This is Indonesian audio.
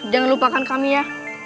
jangan lupakan kami ya